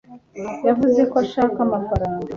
Yavuze ko ashaka amafaranga